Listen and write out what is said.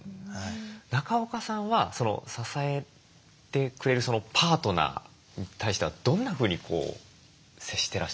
中岡さんは支えてくれるパートナーに対してはどんなふうに接してらっしゃるんですか？